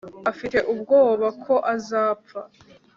afite ubwoba ko azapfa